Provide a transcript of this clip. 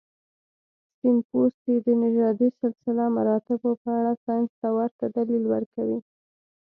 سپین پوستي د نژادي سلسله مراتبو په اړه ساینس ته ورته دلیل ورکوي.